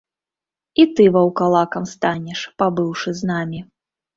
І ты ваўкалакам станеш, пабыўшы з намі.